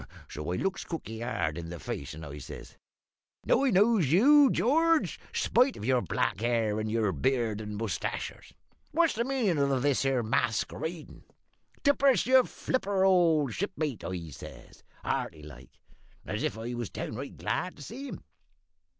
So I looks cookie hard in the face, and I says "`Now I knows you, George, spite of your black hair and all your beard and mustachers. What's the meanin' of this here maskeradin'? Tip us your flipper, old shipmate,' I says, hearty like, and as if I was downright glad to see him.